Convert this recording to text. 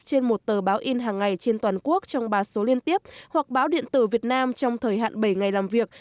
trên một tờ báo in hàng ngày trên toàn quốc trong ba số liên tiếp hoặc báo điện tử việt nam trong thời hạn bảy ngày làm việc